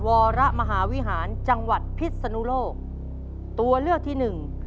วรมหาวิหารจังหวัดพิษนุโลกตัวเลือกที่หนึ่ง